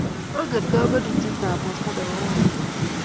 Angen kamanutyetap borto ne kararan